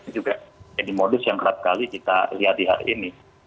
ini juga jadi modus yang kerap kali kita lihat di hari ini